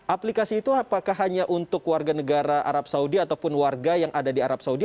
aplikasi itu apakah hanya untuk warga negara arab saudi ataupun warga yang ada di arab saudi